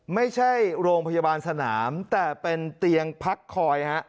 ไม่ใช่โรงพยาบาลสนามแต่เป็นเตียงพักคอยฮะ